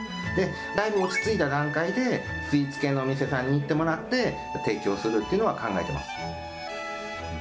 だいぶ落ち着いた段階で、スイーツ系のお店さんに行ってもらって、提供するっていうのは考えてます。